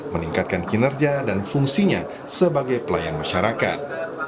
meningkatkan kinerja dan fungsinya sebagai pelayan masyarakat